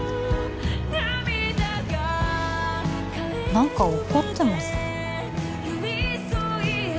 何か怒ってます？